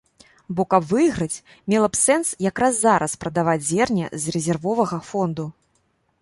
Бо каб выйграць, мела б сэнс якраз зараз прадаваць зерне з рэзервовага фонду.